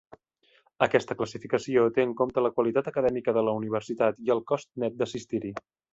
Aquesta classificació té en compte la qualitat acadèmica de la universitat i el cost net d'assistir-hi.